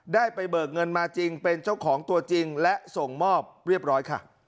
ได้ไปเบิกเงินมาจริงเป็นเจ้าของตัวจริงและส่งมอบเรียบร้อยค่ะ